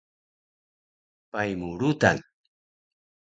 Pai mu rudan